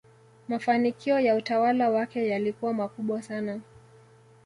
mafanikio ya utawala wake yalikuwa makubwa sana